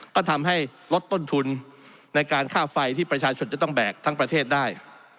ก็ทำให้ลดต้นทุนในการค่าไฟที่ประชาชนจะต้องแบกทั้งประเทศได้